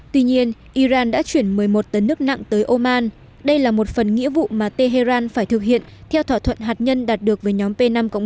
tuy nhiên iran đã chuyển một mươi một tấn nước nặng tới oman đây là một phần nghĩa vụ mà tehran phải thực hiện theo thỏa thuận hạt nhân đạt được với nhóm p năm một